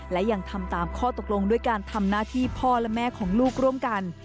และยังทำตามข้อตกลงด้วยการทำหน้าที่พ่อและแม่ของลูกร่วมกัน